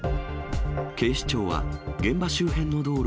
警視庁は現場周辺の道路